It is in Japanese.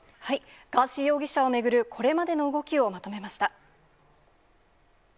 ガーシー容疑者を巡るこれまでの動きをまとめました。